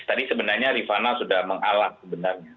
tadi sebenarnya rifana sudah mengalah sebenarnya